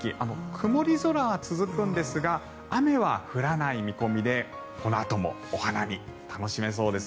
曇り空は続くんですが雨は降らない見込みでこのあともお花見、楽しめそうです。